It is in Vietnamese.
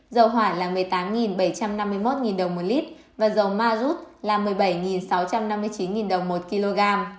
dầu hỏa là một mươi tám bảy trăm năm mươi một đồng một lít và dầu ma rút là một mươi bảy sáu trăm năm mươi chín đồng một kg